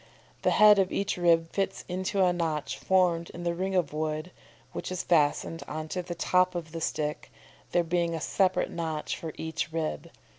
The head of each rib fits into a notch formed in the ring of wood, which is fastened on to the top of the stick, there being a separate, notch for each rib.